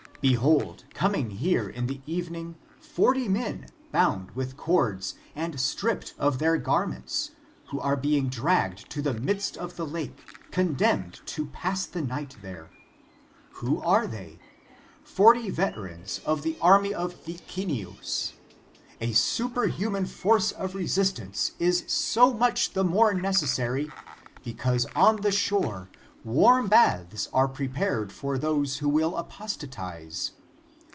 Behold, coming here in the evening, forty men, bound with cords, and stripped of their garments, who are being dragged to the midst of the lake, condemned to pass the night there. Who are they ? Forty veterans of the army of * S. Basil, Orat. in S. Gord. 142 The Sign of the Cross Licinius. A superhuman force of resistance is so much the more necessary, because on the shore, warm baths are prepared for those who will apostatize.